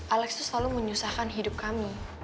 alex itu selalu menyusahkan hidup kami